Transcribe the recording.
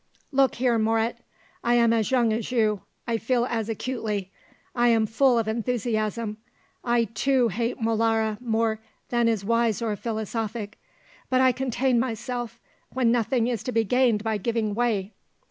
"Look here, Moret: I am as young as you; I feel as acutely; I am full of enthusiasm. I, too, hate Molara more than is wise or philosophic; but I contain myself, when nothing is to be gained by giving way.